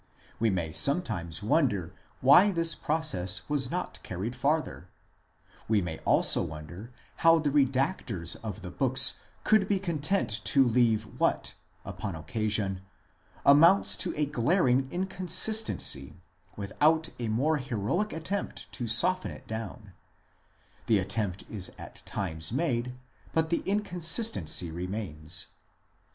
We may sometimes wonder why this process was not carried farther ; we may also wonder how the redactors of the books could be content to leave what, upon occasion, amounts to a glaring inconsistency without a more heroic attempt to soften it down ; the attempt is at times made, but the inconsistency remains.